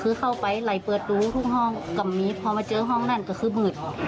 คือข้าวไหนที่กล้าเลือด